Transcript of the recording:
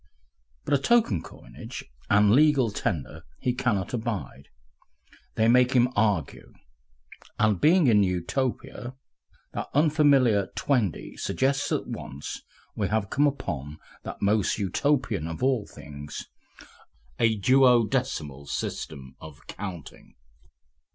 But a token coinage and "legal tender" he cannot abide. They make him argue.) And being in Utopia, that unfamiliar "twaindy" suggests at once we have come upon that most Utopian of all things, a duodecimal system of counting.